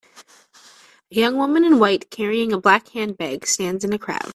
A young woman in white, carrying a black handbag stands in a crowd.